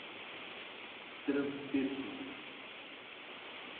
Transpetro